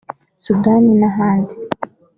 Sudani n’ahandi